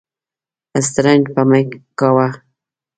سترنج به مې کاوه.